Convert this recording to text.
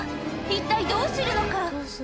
一体どうするのか？